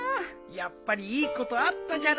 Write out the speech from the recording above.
やっぱりいいことあったじゃろ？